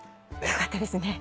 よかったですね。